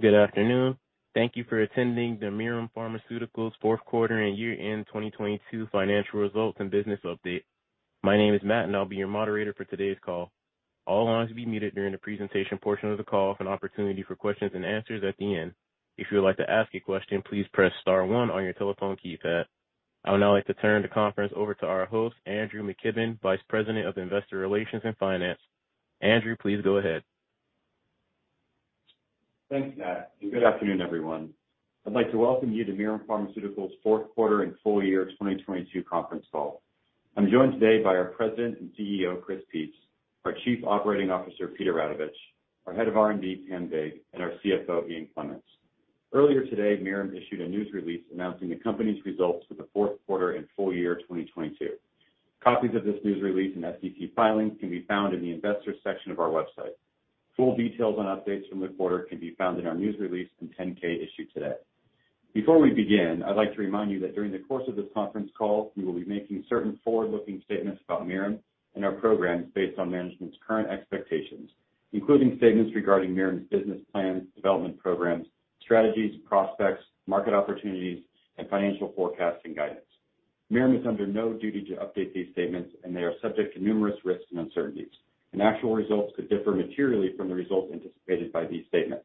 Good afternoon. Thank you for attending the Mirum Pharmaceuticals Fourth Quarter and Year-end 2022 Financial Results and Business Update. My name is Matt, and I'll be your moderator for today's call. All lines will be muted during the presentation portion of the call with an opportunity for questions and answers at the end. If you would like to ask a question, please press star one on your telephone keypad. I would now like to turn the conference over to our host, Andrew McKibben, Vice President of Investor Relations and Finance. Andrew, please go ahead. Thanks, Matt, and good afternoon, everyone. I'd like to welcome you to Mirum Pharmaceuticals fourth quarter and full year 2022 conference call. I'm joined today by our President and CEO, Chris Peetz, our Chief Operating Officer, Peter Radovich, our Head of R&D, Pam Vig, and our CFO, Ian Clements. Earlier today, Mirum issued a news release announcing the company's results for the fourth quarter and full year 2022. Copies of this news release and SEC filings can be found in the investors section of our website. Full details on updates from the quarter can be found in our news release and 10-K issued today. Before we begin, I'd like to remind you that during the course of this conference call, we will be making certain forward-looking statements about Mirum and our programs based on management's current expectations, including statements regarding Mirum's business plans, development programs, strategies, prospects, market opportunities, and financial forecasts and guidance. Mirum is under no duty to update these statements, and they are subject to numerous risks and uncertainties. Actual results could differ materially from the results anticipated by these statements.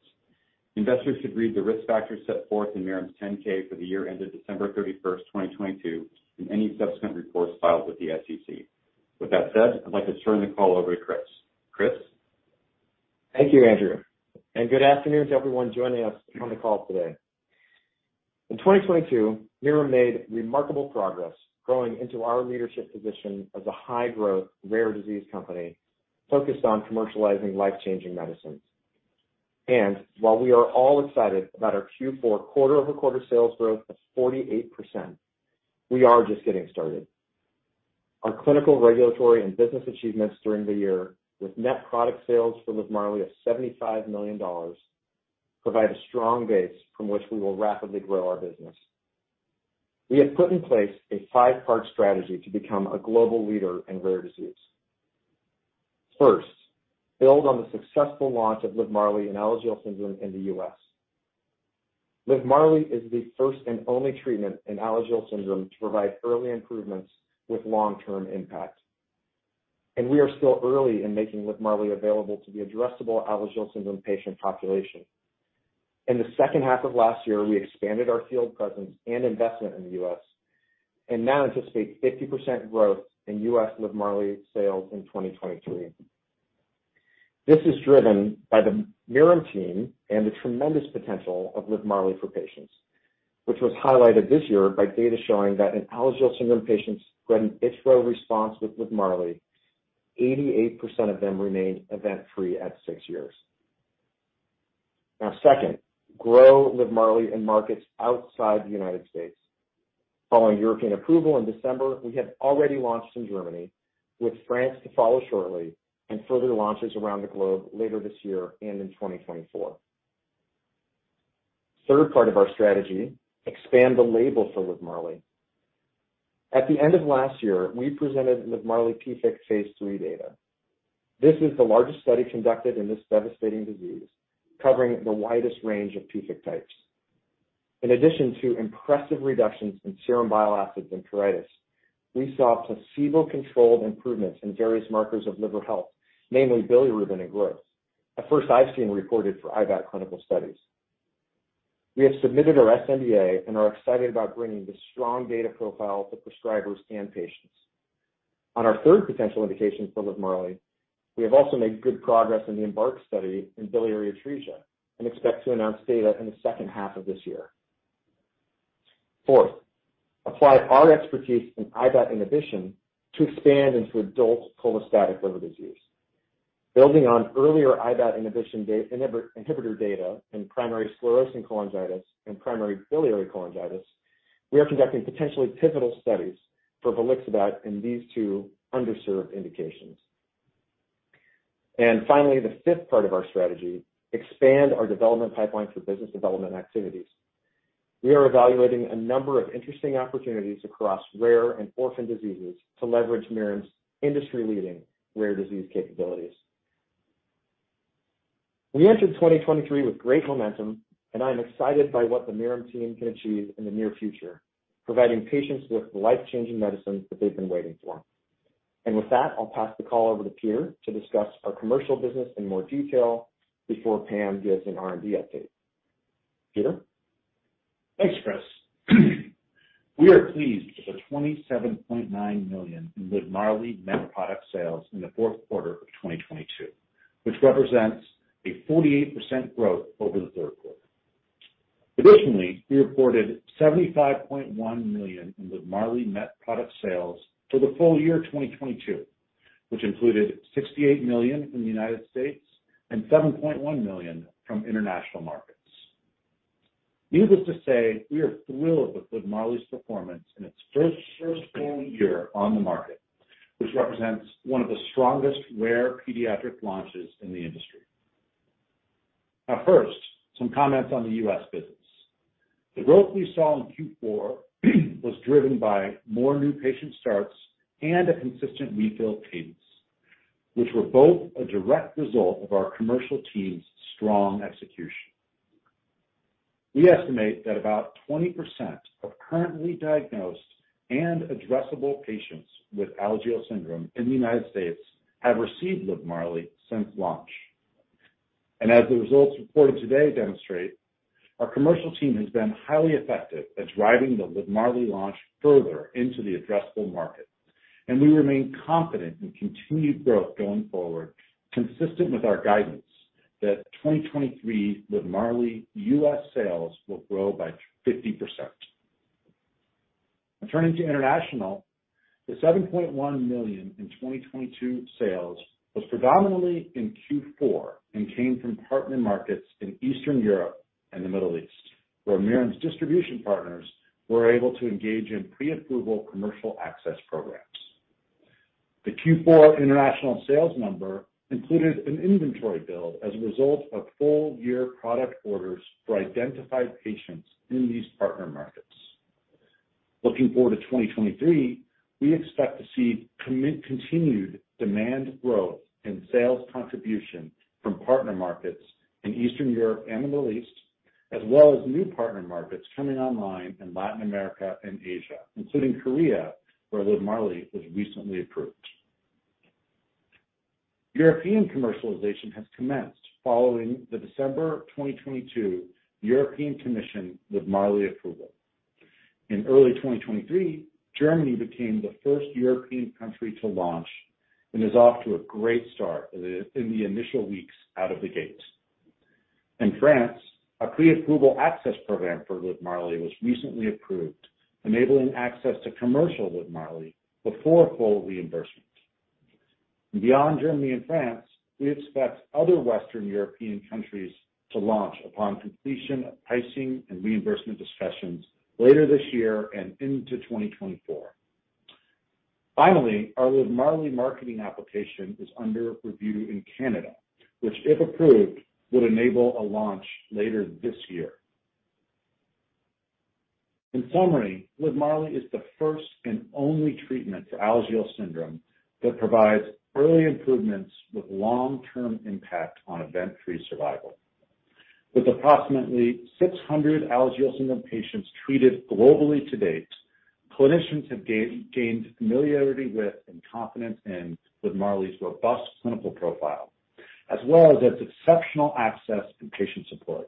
Investors should read the risk factors set forth in Mirum's 10-K for the year ended December 31st, 2022, and any subsequent reports filed with the SEC. With that said, I'd like to turn the call over to Chris. Chris? Thank you, Andrew, and good afternoon to everyone joining us on the call today. In 2022, Mirum made remarkable progress growing into our leadership position as a high-growth rare disease company focused on commercializing life-changing medicines. While we are all excited about our Q4 quarter-over-quarter sales growth of 48%, we are just getting started. Our clinical, regulatory, and business achievements during the year with net product sales for LIVMARLI of $75 million provide a strong base from which we will rapidly grow our business. We have put in place a five-part strategy to become a global leader in rare disease. First, build on the successful launch of LIVMARLI and Alagille syndrome in the U.S. LIVMARLI is the first and only treatment in Alagille syndrome to provide early improvements with long-term impact. We are still early in making LIVMARLI available to the addressable Alagille syndrome patient population. In the second half of last year, we expanded our field presence and investment in the U.S. and now anticipate 50% growth in U.S. LIVMARLI sales in 2023. This is driven by the Mirum team and the tremendous potential of LIVMARLI for patients, which was highlighted this year by data showing that in Alagille syndrome patients who had an ICRO response with LIVMARLI, 88% of them remained event-free at six years. Second, grow LIVMARLI in markets outside the U.S. Following European approval in December, we have already launched in Germany, with France to follow shortly and further launches around the globe later this year and in 2024. Third part of our strategy, expand the label for LIVMARLI. At the end of last year, we presented LIVMARLI PFIC phase III data. This is the largest study conducted in this devastating disease, covering the widest range of PFIC types. In addition to impressive reductions in serum bile acids and pruritus, we saw placebo-controlled improvements in various markers of liver health, namely bilirubin and growth, a first I've seen reported for IBAT clinical studies. We have submitted our sNDA and are excited about bringing this strong data profile to prescribers and patients. On our third potential indication for LIVMARLI, we have also made good progress in the EMBARK study in biliary atresia and expect to announce data in the second half of this year. Fourth, apply our expertise in IBAT inhibition to expand into adult cholestatic liver disease. Building on earlier IBAT inhibition inhibitor data in primary sclerosing cholangitis and primary biliary cholangitis, we are conducting potentially pivotal studies for volixibat in these two underserved indications. Finally, the fifth part of our strategy, expand our development pipeline for business development activities. We are evaluating a number of interesting opportunities across rare and orphan diseases to leverage Mirum's industry-leading rare disease capabilities. We entered 2023 with great momentum, and I am excited by what the Mirum team can achieve in the near future, providing patients with life-changing medicines that they've been waiting for. With that, I'll pass the call over to Peter to discuss our commercial business in more detail before Pam gives an R&D update. Peter? Thanks, Chris. We are pleased with the $27.9 million in LIVMARLI net product sales in the fourth quarter of 2022, which represents a 48% growth over the third quarter. Additionally, we reported $75.1 million in LIVMARLI net product sales for the full year 2022, which included $68.0 Million from the United States and $7.1 million from international markets. Needless to say, we are thrilled with LIVMARLI's performance in its first full year on the market, which represents one of the strongest rare pediatric launches in the industry. Now first, some comments on the U.S. business. The growth we saw in Q4 was driven by more new patient starts and a consistent refill cadence, which were both a direct result of our commercial team's strong execution. We estimate that about 20% of currently diagnosed and addressable patients with Alagille syndrome in the United States have received LIVMARLI since launch. As the results reported today demonstrate, our commercial team has been highly effective at driving the LIVMARLI launch further into the addressable market. We remain confident in continued growth going forward, consistent with our guidance that 2023 LIVMARLI U.S. sales will grow by 50%. Turning to international, the $7.1 million in 2022 sales was predominantly in Q4 and came from partner markets in Eastern Europe and the Middle East, where Mirum's distribution partners were able to engage in pre-approval commercial access programs. The Q4 international sales number included an inventory build as a result of full-year product orders for identified patients in these partner markets. Looking forward to 2023, we expect to see continued demand growth and sales contribution from partner markets in Eastern Europe and the Middle East, as well as new partner markets coming online in Latin America and Asia, including Korea, where LIVMARLI was recently approved. European commercialization has commenced following the December 2022 European Commission LIVMARLI approval. In early 2023, Germany became the first European country to launch and is off to a great start in the initial weeks out of the gate. In France, a pre-approval access program for LIVMARLI was recently approved, enabling access to commercial LIVMARLI before full reimbursement. Beyond Germany and France, we expect other Western European countries to launch upon completion of pricing and reimbursement discussions later this year and into 2024. Our LIVMARLI marketing application is under review in Canada, which, if approved, would enable a launch later this year. LIVMARLI is the first and only treatment for Alagille syndrome that provides early improvements with long-term impact on event-free survival. With approximately 600 Alagille syndrome patients treated globally to date, clinicians have gained familiarity with and confidence in LIVMARLI's robust clinical profile, as well as its exceptional access and patient support.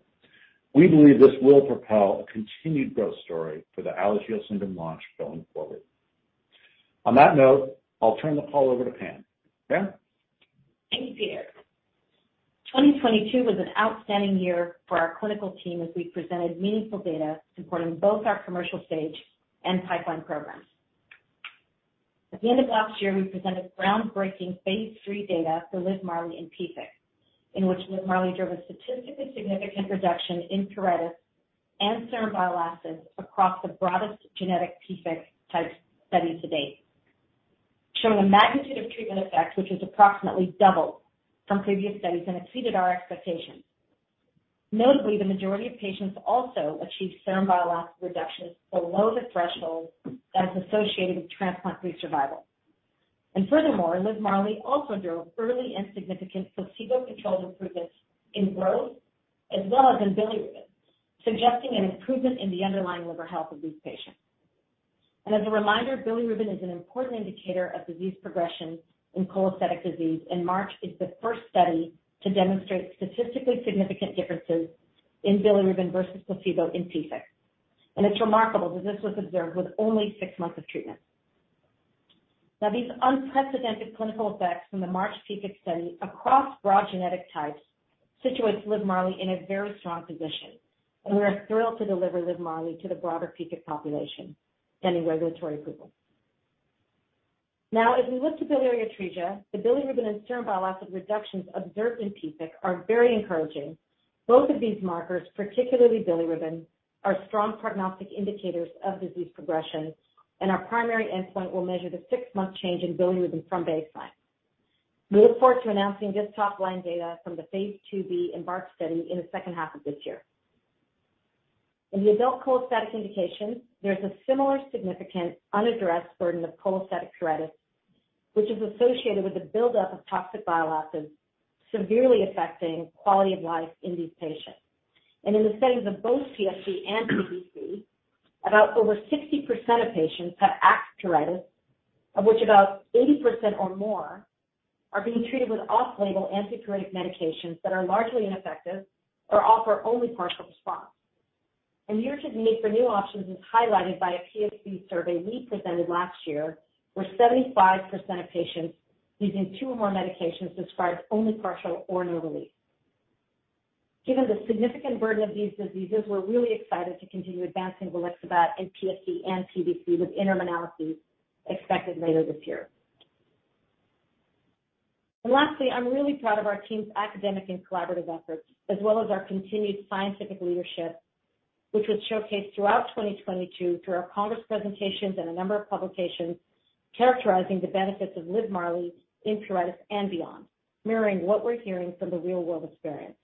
We believe this will propel a continued growth story for the Alagille syndrome launch going forward. On that note, I'll turn the call over to Pam. Pam? Thank you, Peter. 2022 was an outstanding year for our clinical team as we presented meaningful data supporting both our commercial stage and pipeline programs. At the end of last year, we presented groundbreaking phase III data for LIVMARLI and PFIC, in which LIVMARLI drove a statistically significant reduction in pruritus and serum bile acids across the broadest genetic PFIC-type study to date, showing a magnitude of treatment effect which is approximately double from previous studies and exceeded our expectations. Notably, the majority of patients also achieved serum bile acid reductions below the threshold that is associated with transplant-free survival. Furthermore, LIVMARLI also drove early and significant placebo-controlled improvements in growth as well as in bilirubin, suggesting an improvement in the underlying liver health of these patients. As a reminder, bilirubin is an important indicator of disease progression in cholestatic disease, and EMBARK is the first study to demonstrate statistically significant differences in bilirubin versus placebo in PFIC. It's remarkable that this was observed with only six months of treatment. These unprecedented clinical effects from the EMBARK PFIC study across broad genetic types situates LIVMARLI in a very strong position, and we are thrilled to deliver LIVMARLI to the broader PFIC population pending regulatory approval. As we look to biliary atresia, the bilirubin and serum bile acid reductions observed in PFIC are very encouraging. Both of these markers, particularly bilirubin, are strong prognostic indicators of disease progression, and our primary endpoint will measure the six-month change in bilirubin from baseline. We look forward to announcing this top-line data from the phase IIb EMBARK study in the second half of this year. In the adult cholestatic indication, there's a similar significant unaddressed burden of cholestatic pruritus, which is associated with a buildup of toxic bile acids severely affecting quality of life in these patients. In the settings of both PSC and PBC, about over 60% of patients have active pruritus, of which about 80% or more are being treated with off-label anticholinergic medications that are largely ineffective or offer only partial response. The urgent need for new options is highlighted by a PSC survey we presented last year, where 75% of patients using two or more medications described only partial or no relief. Given the significant burden of these diseases, we're really excited to continue advancing volixibat in PSC and PBC with interim analyses expected later this year. Lastly, I'm really proud of our team's academic and collaborative efforts, as well as our continued scientific leadership, which was showcased throughout 2022 through our congress presentations and a number of publications. Characterizing the benefits of LIVMARLI in PFIC and beyond, mirroring what we're hearing from the real-world experience.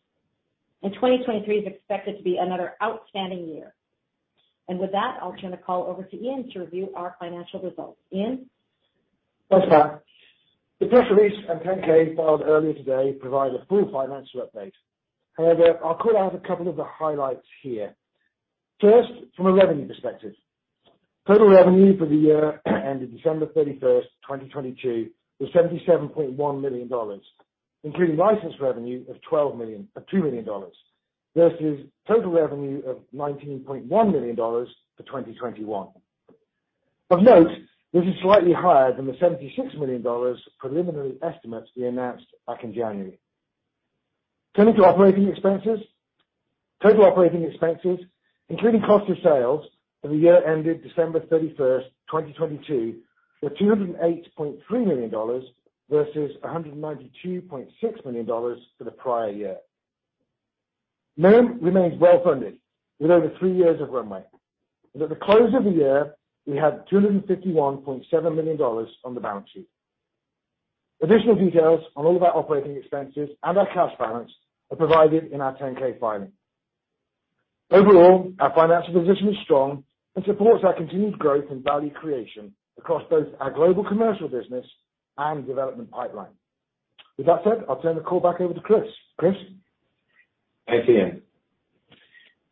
2023 is expected to be another outstanding year. With that, I'll turn the call over to Ian to review our financial results. Ian? Thanks, Pam. The press release and 10-K filed earlier today provide a full financial update. I'll call out a couple of the highlights here. First, from a revenue perspective. Total revenue for the year ended December 31, 2022 was $77.1 million, including license revenue of $12 million or $2 million versus total revenue of $19.1 million for 2021. Of note, this is slightly higher than the $76 million preliminary estimate we announced back in January. Turning to operating expenses. Total operating expenses, including cost of sales for the year ended December 31, 2022, were $208.3 million versus $192.6 million for the prior year. Mirum remains well-funded with over three years of runway. At the close of the year, we had $251.7 million on the balance sheet. Additional details on all of our operating expenses and our cash balance are provided in our 10-K filing. Overall, our financial position is strong and supports our continued growth and value creation across both our global commercial business and development pipeline. With that said, I'll turn the call back over to Chris. Chris? Thanks, Ian.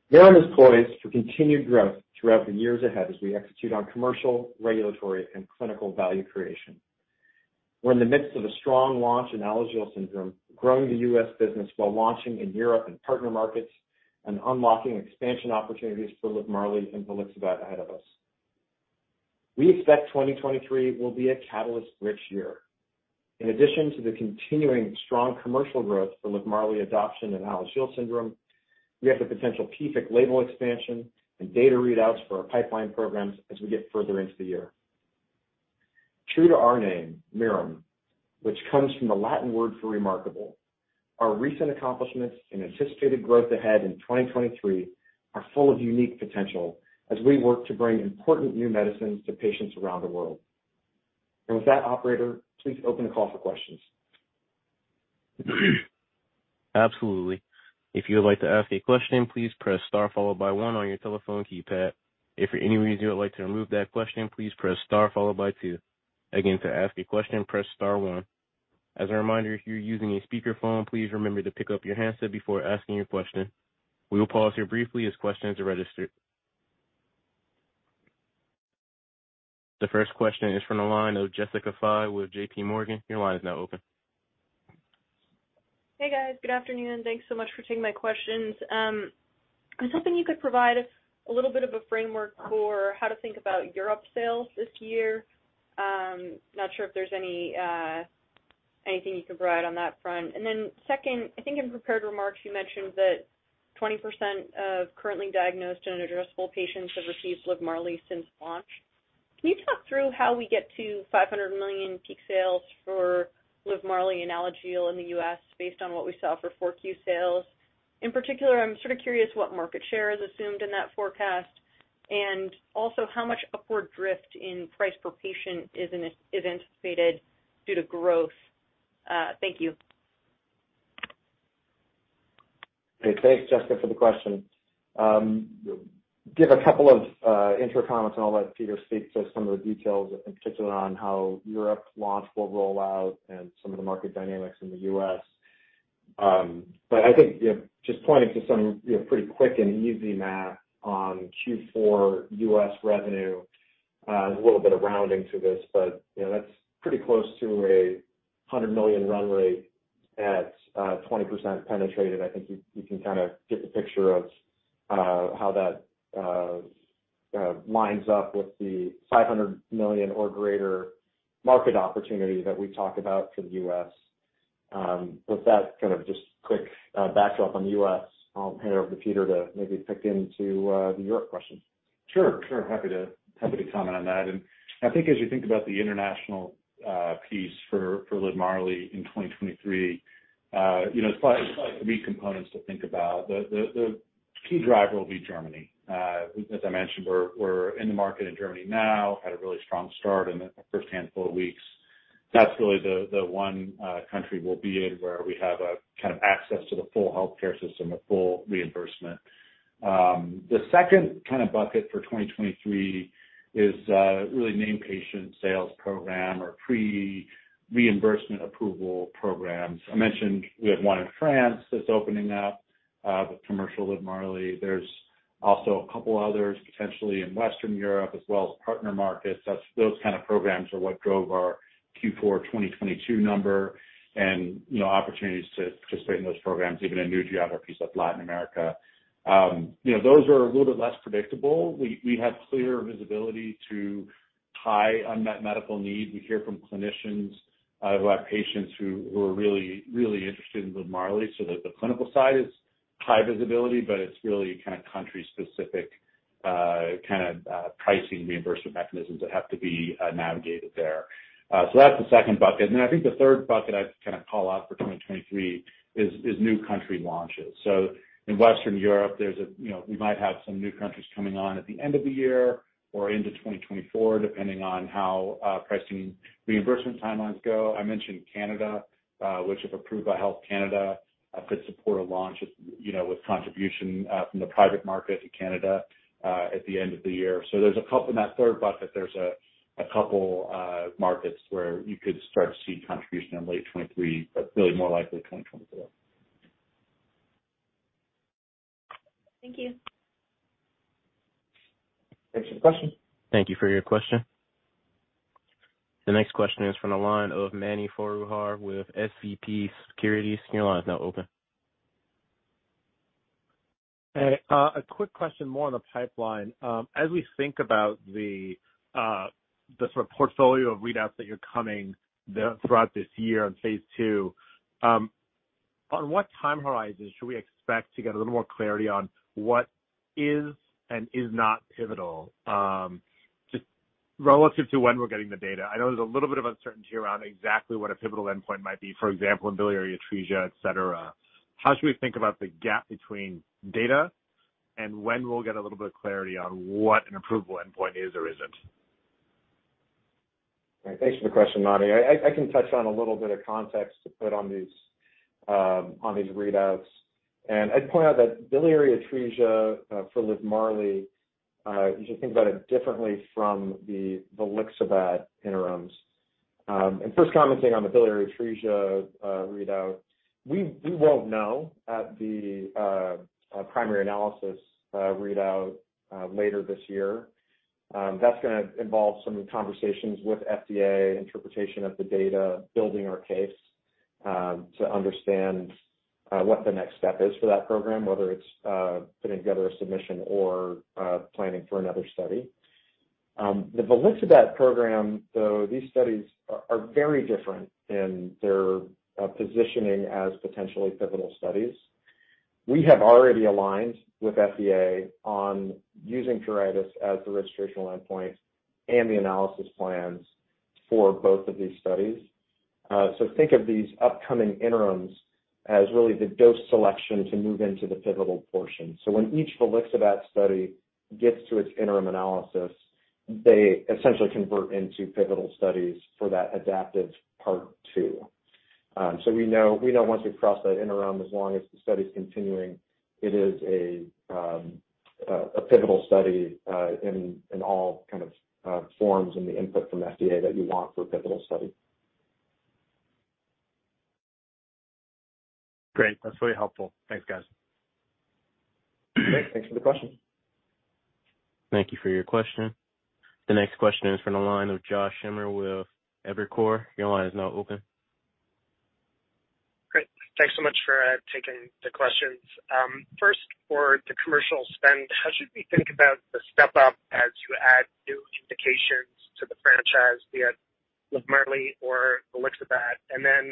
Mirum is poised for continued growth throughout the years ahead as we execute on commercial, regulatory and clinical value creation. We're in the midst of a strong launch in Alagille syndrome, growing the US business while launching in Europe and partner markets and unlocking expansion opportunities for LIVMARLI and volixibat ahead of us. We expect 2023 will be a catalyst-rich year. In addition to the continuing strong commercial growth for LIVMARLI adoption in Alagille syndrome, we have the potential PFIC label expansion and data readouts for our pipeline programs as we get further into the year. True to our name, Mirum, which comes from the Latin word for remarkable, our recent accomplishments and anticipated growth ahead in 2023 are full of unique potential as we work to bring important new medicines to patients around the world. With that, operator, please open the call for questions. Absolutely. If you would like to ask a question, please press star followed by one on your telephone keypad. If for any reason you would like to remove that question, please press star followed by 2. Again, to ask a question, press star one. As a reminder, if you're using a speakerphone, please remember to pick up your handset before asking your question. We will pause here briefly as questions are registered. The first question is from the line of Jessica Fye with JPMorgan. Your line is now open. Hey, guys. Good afternoon. Thanks so much for taking my questions. I was hoping you could provide us a little bit of a framework for how to think about Europe sales this year. Not sure if there's any, anything you can provide on that front. Second, I think in prepared remarks you mentioned that 20% of currently diagnosed and addressable patients have received LIVMARLI since launch. Can you talk through how we get to $500 million peak sales for LIVMARLI and Alagille in the U.S. based on what we saw for 4Q sales? In particular, I'm sort of curious what market share is assumed in that forecast, and also how much upward drift in price per patient is anticipated due to growth. Thank you. Okay. Thanks, Jessica, for the question. Give a couple of intro comments and I'll let Peter speak to some of the details in particular on how Europe launch will roll out and some of the market dynamics in the U.S. I think, you know, just pointing to some, you know, pretty quick and easy math on Q4 U.S. revenue is a little bit of rounding to this, but you know, that's pretty close to a $100 million run rate at 20% penetrated. I think you can kinda get the picture of how that lines up with the $500 million or greater market opportunity that we talk about for the U.S. With that kind of just quick backdrop on U.S., I'll hand it over to Peter to maybe pick into the Europe question. Sure, sure. Happy to, happy to comment on that. I think as you think about the international piece for LIVMARLI in 2023, you know, there's probably 3 components to think about. The key driver will be Germany. As I mentioned, we're in the market in Germany now, had a really strong start in the first handful of weeks. That's really the one country we'll be in where we have a kind of access to the full healthcare system, a full reimbursement. The second kind of bucket for 2023 is really named patient sales program or pre-reimbursement approval programs. I mentioned we have one in France that's opening up with commercial LIVMARLI. There's also a couple others potentially in Western Europe as well as partner markets. That's those kind of programs are what drove our Q4 2022 number and, you know, opportunities to participate in those programs even in new geographies like Latin America. You know, those are a little bit less predictable. We have clear visibility to high unmet medical need. We hear from clinicians who have patients who are really, really interested in LIVMARLI. So the clinical side is high visibility, but it's really kind of country specific pricing reimbursement mechanisms that have to be navigated there. That's the second bucket. I think the third bucket I'd kind of call out for 2023 is new country launches. In Western Europe, there's a, you know, we might have some new countries coming on at the end of the year or into 2024, depending on how pricing reimbursement timelines go. I mentioned Canada, which if approved by Health Canada, could support a launch with, you know, with contribution from the private market to Canada at the end of the year. There's a couple in that third bucket. There's a couple markets where you could start to see contribution in late 2023, but really more likely 2024. Thank you. Thanks for the question. Thank you for your question. The next question is from the line of Mani Foroohar with SVB Securities. Your line is now open. A quick question, more on the pipeline. As we think about the sort of portfolio of readouts that you're coming throughout this year on phase II, on what time horizons should we expect to get a little more clarity on what is and is not pivotal, just relative to when we're getting the data? I know there's a little bit of uncertainty around exactly what a pivotal endpoint might be, for example, in biliary atresia, et cetera. How should we think about the gap between data and when we'll get a little bit of clarity on what an approval endpoint is or isn't? All right. Thanks for the question, Mani. I can touch on a little bit of context to put on these on these readouts. I'd point out that biliary atresia for LIVMARLI, you should think about it differently from the volixibat interims. First commenting on the biliary atresia readout, we won't know at the primary analysis readout later this year. That's gonna involve some conversations with FDA interpretation of the data, building our case to understand what the next step is for that program, whether it's putting together a submission or planning for another study. The volixibat program, though, these studies are very different in their positioning as potentially pivotal studies. We have already aligned with FDA on using pruritus as the registrational endpoint and the analysis plans for both of these studies. Think of these upcoming interims as really the dose selection to move into the pivotal portion. When each volixibat study gets to its interim analysis, they essentially convert into pivotal studies for that adaptive part 2. We know once we've crossed that interim, as long as the study's continuing, it is a pivotal study in all kind of forms in the input from FDA that you want for a pivotal study. Great. That's really helpful. Thanks, guys. Great. Thanks for the question. Thank you for your question. The next question is from the line of Josh Schimmer with Evercore. Your line is now open. Great. Thanks so much for taking the questions. First, for the commercial spend, how should we think about the step-up as you add new indications to the franchise via LIVMARLI or volixibat? Then,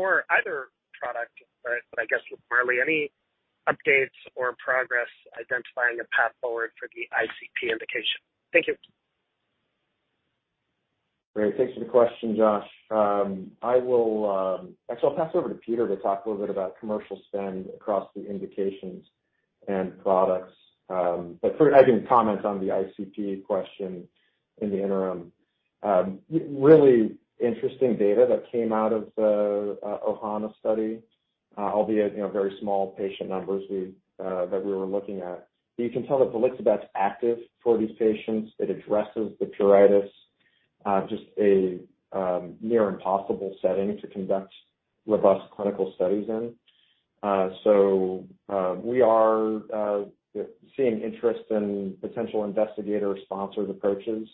for either product, but I guess LIVMARLI, any updates or progress identifying the path forward for the ICP indication? Thank you. Great. Thanks for the question, Josh. I will. Actually, I'll pass it over to Peter to talk a little bit about commercial spend across the indications and products. But first I can comment on the ICP question in the interim. Really interesting data that came out of the OHANA study, albeit, you know, very small patient numbers we that we were looking at. But you can tell that volixibat's active for these patients. It addresses the pruritus, just a near impossible setting to conduct robust clinical studies in. We are seeing interest in potential investigator or sponsors approaches.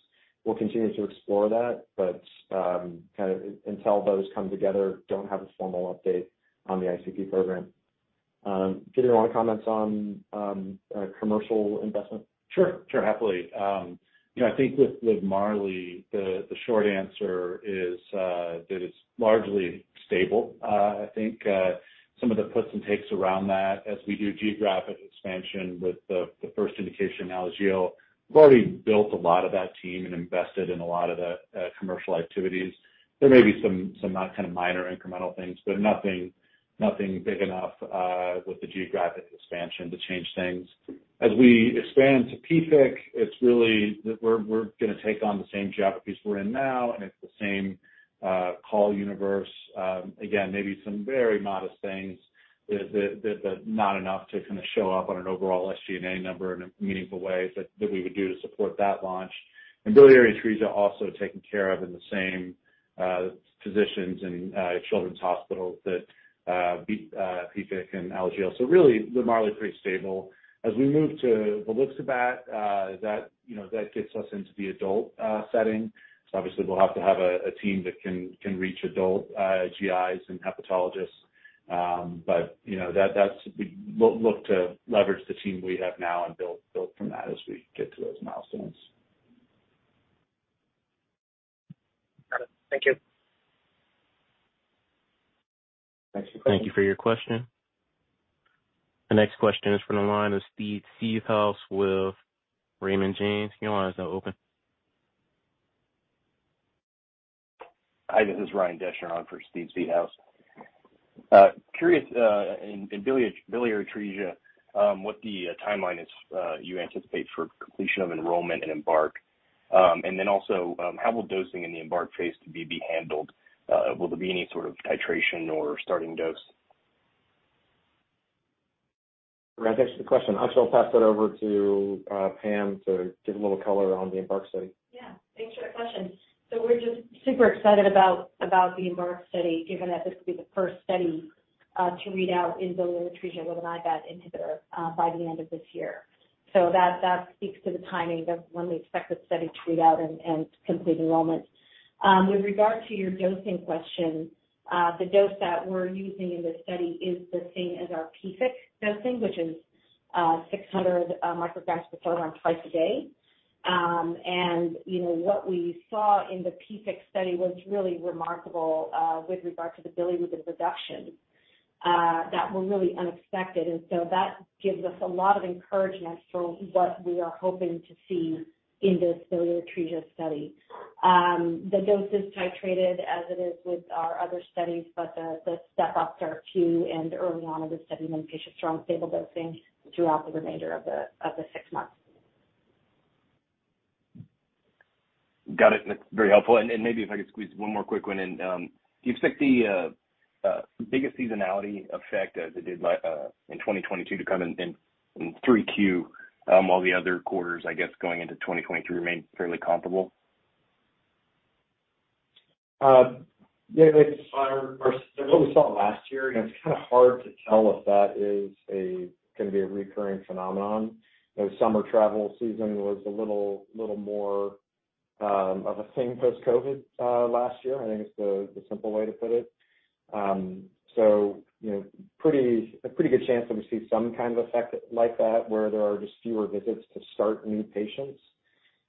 We'll continue to explore that, but kind of until those come together, don't have a formal update on the ICP program. Peter, you wanna comment on commercial investment? Sure, happily. You know, I think with LIVMARLI, the short answer is that it's largely stable. I think some of the puts and takes around that as we do geographic expansion with the first indication, ALGS, we've already built a lot of that team and invested in a lot of the commercial activities. There may be some kind of minor incremental things, but nothing big enough with the geographic expansion to change things. As we expand to PFIC, it's really that we're gonna take on the same job piece we're in now, and it's the same call universe. Again, maybe some very modest things that not enough to kinda show up on an overall SG&A number in a meaningful way that we would do to support that launch. Biliary atresia also taken care of in the same physicians and children's hospital that beat PFIC and ALGS. Really, LIVMARLI is pretty stable. As we move to volixibat, that, you know, that gets us into the adult setting. Obviously, we'll have to have a team that can reach adult GIs and hepatologists. You know, that's we look to leverage the team we have now and build from that as we get to those milestones. Got it. Thank you. Thank you for your question. The next question is from the line of Steve Seedhouse with Raymond James. Your line is now open. Hi, this is Ryan Deschner on for Steve Seedhouse. Curious in biliary atresia, what the timeline is you anticipate for completion of enrollment in EMBARK. Also, how will dosing in the EMBARK phase IIb be handled? Will there be any sort of titration or starting dose? Ryan, thanks for the question. Actually, I'll pass that over to Pam to give a little color on the EMBARK study. Yeah. Thanks for that question. We're just super excited about the EMBARK study, given that this will be the first study to read out in biliary atresia with an IBAT into the liver by the end of this year. That speaks to the timing of when we expect the study to read out and complete enrollment. With regard to your dosing question, the dose that we're using in this study is the same as our PFIC dosing, which is 600 micrograms per kilogram twice a day. You know, what we saw in the PFIC study was really remarkable with regard to the bilirubin reduction that were really unexpected. That gives us a lot of encouragement for what we are hoping to see in this biliary atresia study. The dose is titrated as it is with our other studies, but the step-ups are few and early on in the study when patients are on stable dosing throughout the remainder of the, of the six months. Got it. That's very helpful. Maybe if I could squeeze one more quick one in. Do you expect the biggest seasonality effect as it did in 2022 to come in 3Q, while the other quarters, I guess, going into 2023 remain fairly comparable? Yeah, what we saw last year, and it's kind of hard to tell if that is a gonna be a recurring phenomenon. The summer travel season was a little more of a thing post-COVID last year. I think it's the simple way to put it. You know, a pretty good chance that we see some kind of effect like that, where there are just fewer visits to start new patients.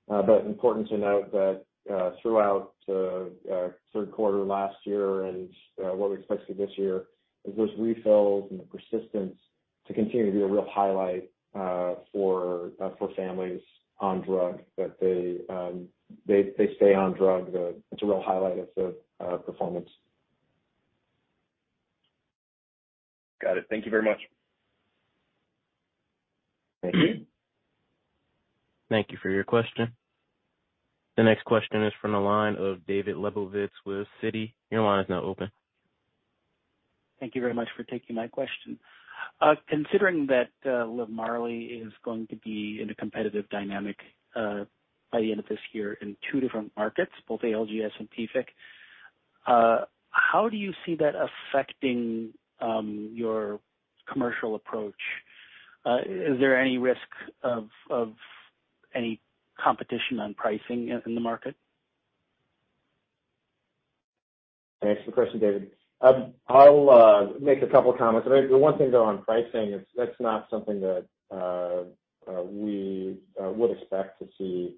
Important to note that throughout third quarter last year and what we expect for this year is those refills and the persistence to continue to be a real highlight for families on drug, that they stay on drug. It's a real highlight of the performance. Got it. Thank you very much. Thank you. Thank you for your question. The next question is from the line of David Lebowitz with Citi. Your line is now open. Thank you very much for taking my question. Considering that LIVMARLI is going to be in a competitive dynamic by the end of this year in two different markets, both ALGS and PFIC, how do you see that affecting your commercial approach? Is there any risk of any competition on pricing in the market? Thanks for the question, David. I'll make a couple comments. I mean, the one thing, though, on pricing is that's not something that we would expect to see,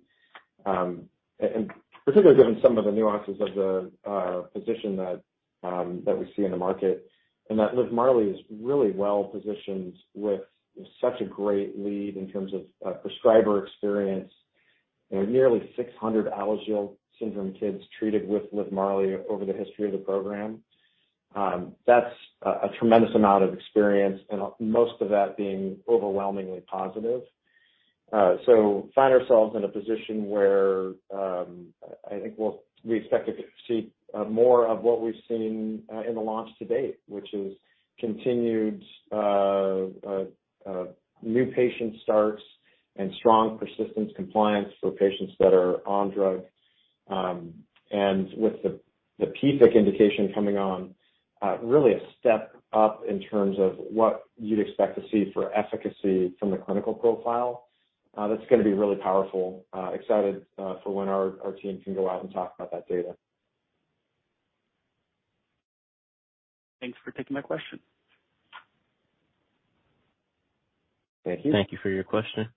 and particularly given some of the nuances of the position that we see in the market, in that LIVMARLI is really well-positioned with such a great lead in terms of prescriber experience. You know, nearly 600 ALGS syndrome kids treated with LIVMARLI over the history of the program. That's a tremendous amount of experience and most of that being overwhelmingly positive. Find ourselves in a position where I think we expect to see more of what we've seen in the launch to date, which is continued new patient starts and strong persistence compliance for patients that are on drug. With the PFIC indication coming on, really a step up in terms of what you'd expect to see for efficacy from the clinical profile. That's gonna be really powerful. Excited for when our team can go out and talk about that data. Thanks for taking my question. Thank you. Thank you for your question.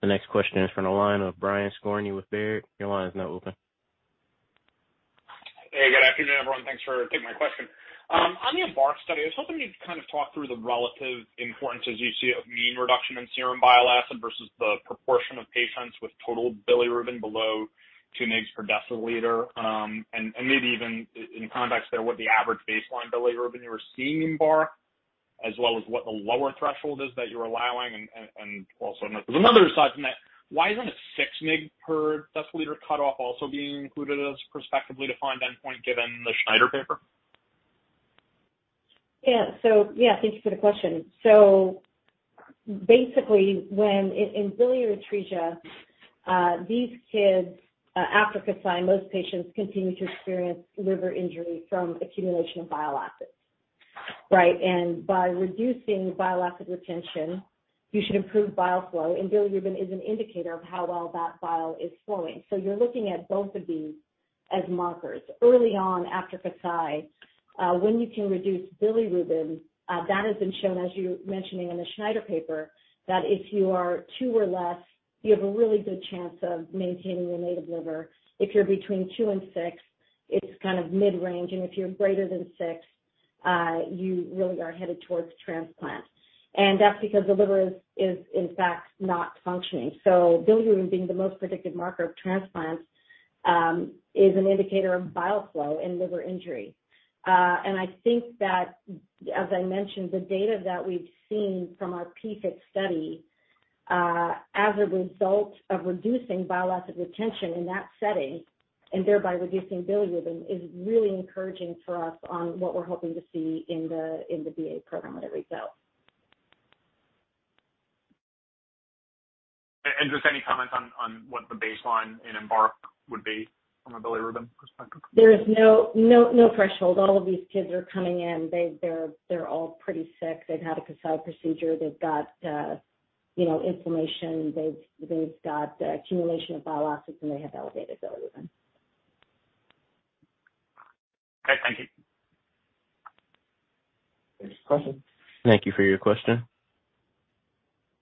The next question is from the line of Brian Skorney with Baird. Your line is now open. Hey, good afternoon, everyone. Thanks for taking my question. On the EMBARK study, I was hoping you'd kind of talk through the relative importance as you see of mean reduction in serum bile acid versus the proportion of patients with total bilirubin below 2 mgs per deciliter. And maybe even in context there, what the average baseline bilirubin you were seeing in EMBARK, as well as what the lower threshold is that you're allowing and also there's another aside from that. Why isn't a 6 mg per deciliter cutoff also being included as a prospectively defined endpoint given the Schneider paper? Thank you for the question. Basically, in biliary atresia, these kids, after Kasai, most patients continue to experience liver injury from accumulation of bile acids, right? By reducing bile acid retention, you should improve bile flow. Bilirubin is an indicator of how well that bile is flowing. You're looking at both of these as markers. Early on after Kasai, when you can reduce bilirubin, that has been shown, as you're mentioning in the Schneider paper, that if you are two or less, you have a really good chance of maintaining your native liver. If you're between 2 and 6, it's kind of mid-range, and if you're greater than six, you really are headed towards transplant. That's because the liver is in fact not functioning. Bilirubin being the most predictive marker of transplants, is an indicator of bile flow in liver injury. I think that, as I mentioned, the data that we've seen from our PFIC study, as a result of reducing bile acid retention in that setting and thereby reducing bilirubin, is really encouraging for us on what we're hoping to see in the BA program when it reads out. Just any comment on what the baseline in EMBARK would be from a bilirubin perspective? There is no, no threshold. All of these kids are coming in. They're all pretty sick. They've had a Kasai procedure, they've got, you know, inflammation, they've got accumulation of bile acids, and they have elevated bilirubin. Okay. Thank you. Next question. Thank you for your question.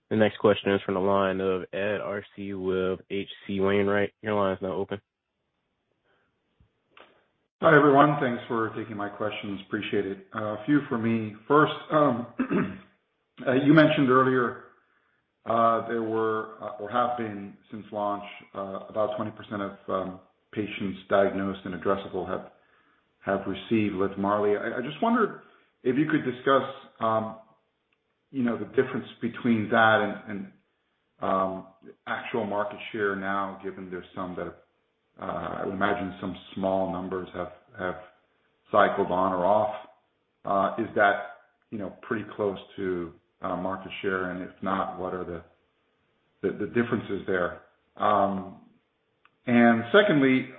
The next question is from the line of Ed Arce of H.C. Wainwright. Your line is now open. Hi, everyone. Thanks for taking my questions. Appreciate it. A few from me. First, you mentioned earlier, there were or have been since launch, about 20% of patients diagnosed and addressable have received LIVMARLI. I just wonder if you could discuss, you know, the difference between that and actual market share now, given there's some that I would imagine some small numbers have cycled on or off. Is that, you know, pretty close to market share? And if not, what are the differences there? Secondly,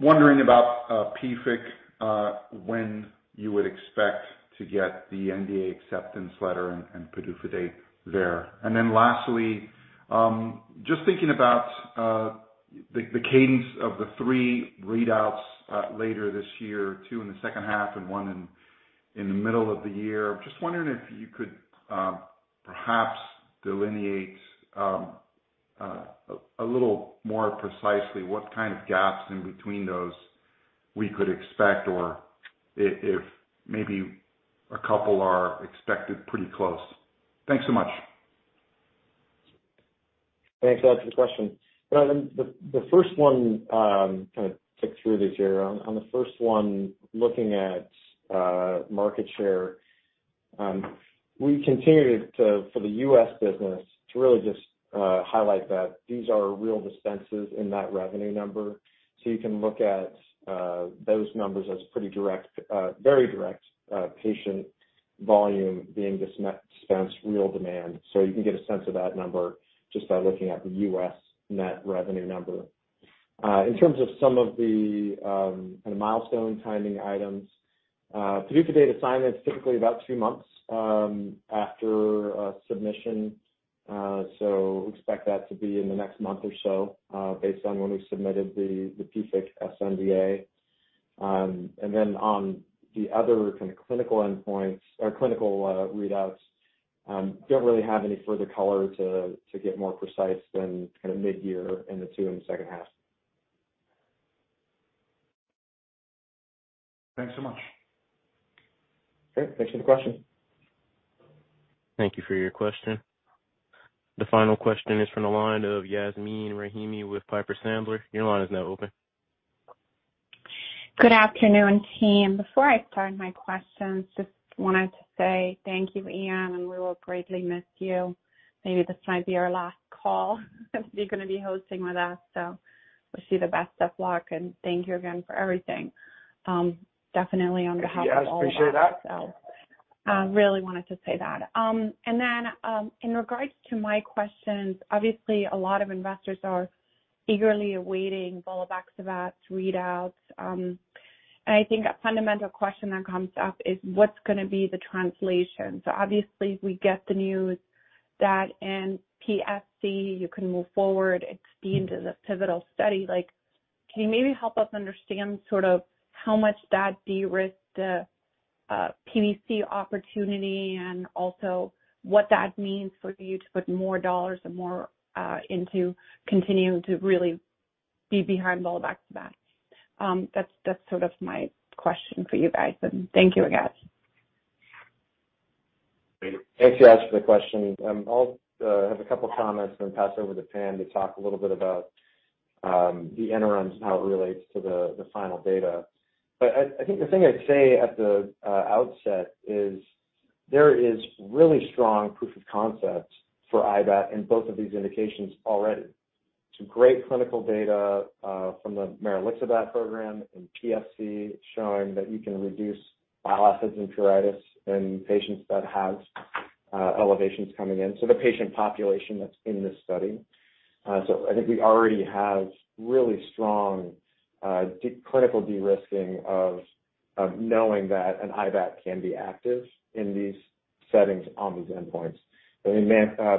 wondering about PFIC, when you would expect to get the NDA acceptance letter and PDUFA date there. Lastly, just thinking about the cadence of the three readouts later this year, two in the second half and one in the middle of the year. Wondering if you could perhaps delineate a little more precisely what kind of gaps in between those we could expect or if maybe a couple are expected pretty close? Thanks so much. Thanks, Ed, for the question. The first one, kind of tick through these here. On the first one, looking at market share, we continue to, for the US business to really just highlight that these are real dispenses in that revenue number. You can look at those numbers as pretty direct, very direct, patient volume being dispensed, real demand. You can get a sense of that number just by looking at the US net revenue number. In terms of some of the kind of milestone timing items, PDUFA date assignment is typically about two months after submission. Expect that to be in the next month or so, based on when we submitted the PFIC sNDA. On the other kind of clinical endpoints or clinical readouts, don't really have any further color to get more precise than kind of mid-year and the two in the second half. Thanks so much. Okay, thanks for the question. Thank you for your question. The final question is from the line of Yasmeen Rahimi with Piper Sandler. Your line is now open. Good afternoon, team. Before I start my questions, just wanted to say thank you to Ian, and we will greatly miss you. Maybe this might be our last call you're gonna be hosting with us, so wish you the best of luck and thank you again for everything. definitely on behalf of all of us. Thank you, Yas. Appreciate that. I really wanted to say that. In regards to my questions, obviously a lot of investors are eagerly awaiting volixibat readouts. I think a fundamental question that comes up is what's gonna be the translation? Obviously, if we get the news that in PSC you can move forward, it's deemed as a pivotal study. Like, can you maybe help us understand sort of how much that de-risks the PBC opportunity and also what that means for you to put more dollars or more into continuing to really be behind volixibat. That's sort of my question for you guys. Thank you again. Thanks, Yas, for the question. I'll have a couple comments then pass over to Pam to talk a little bit about the end runs and how it relates to the final data. I think the thing I'd say at the outset is there is really strong proof of concept for IBAT in both of these indications already. Some great clinical data from the maralixibat program in PSC showing that you can reduce bile acids and pruritus in patients that have elevations coming in, so the patient population that's in this study. I think we already have really strong clinical de-risking of knowing that an IBAT can be active in these settings on these endpoints. I mean,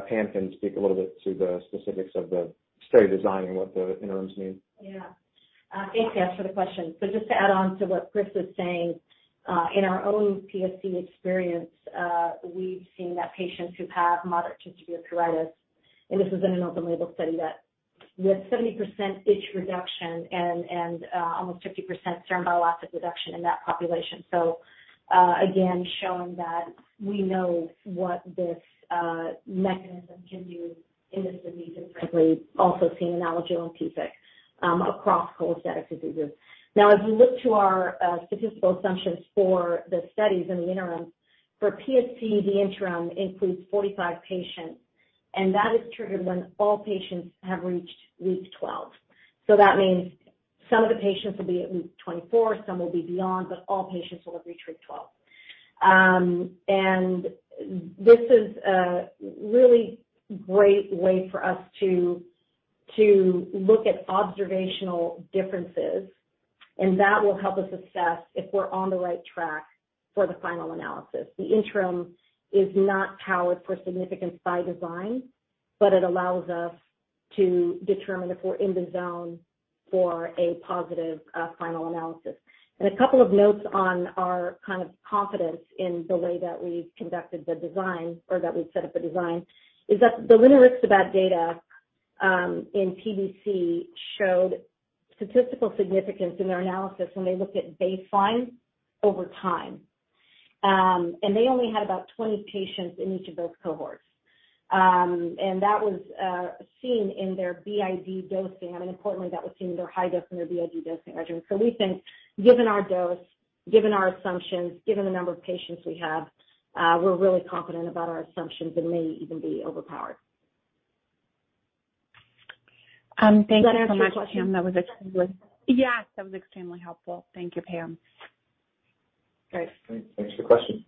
Pam can speak a little bit to the specifics of the study design and what the end runs mean. Yeah. Thanks, Yas, for the question. Just to add on to what Chris is saying, in our own PSC experience, we've seen that patients who've had moderate to severe pruritus, and this was in an open label study with 70% itch reduction and almost 50% serum bile acid reduction in that population. Again, showing that we know what this mechanism can do in this disease, and frankly, also seeing analogy on PFIC across cholestatic diseases. Now if you look to our statistical assumptions for the studies in the interim, for PSC, the interim includes 45 patients, and that is triggered when all patients have reached week 12. That means some of the patients will be at week 24, some will be beyond, but all patients will have reached week 12. This is a really great way for us to look at observational differences, and that will help us assess if we're on the right track for the final analysis. The interim is not powered for significance by design, but it allows us to determine if we're in the zone for a positive final analysis. A couple of notes on our kind of confidence in the way that we've conducted the design or that we've set up the design is that the 10x data in PBC showed statistical significance in their analysis when they looked at baseline over time. They only had about 20 patients in each of those cohorts. That was seen in their BID dosing. I mean, importantly, that was seen in their high dose and their BID dosing regimen. We think given our dose, given our assumptions, given the number of patients we have, we're really confident about our assumptions and may even be overpowered. Thank you so much, Pam. Does that answer your question? Yes, that was extremely helpful. Thank you, Pam. Great. Great. Thanks for the question.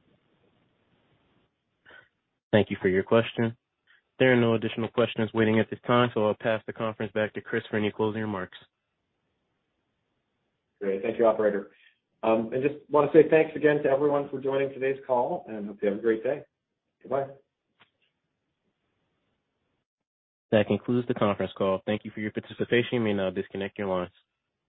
Thank you for your question. There are no additional questions waiting at this time. I'll pass the conference back to Chris for any closing remarks. Great. Thank you, operator. I just want to say thanks again to everyone for joining today's call. I hope you have a great day. Goodbye. That concludes the conference call. Thank you for your participation. You may now disconnect your lines.